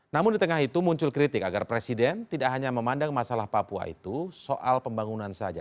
namun di tengah itu muncul kritik agar presiden tidak hanya memandang masalah papua itu soal pembangunan saja